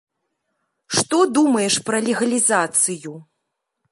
Што думаеш пра легалізацыю?